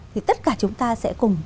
thì tất cả chúng ta sẽ cùng nhau